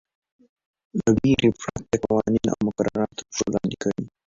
له وېرې پرته قوانین او مقررات تر پښو لاندې کړي.